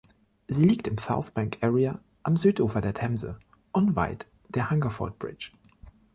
Sie liegt im Southbank Area am Südufer der Themse, unweit der Hungerford Bridge.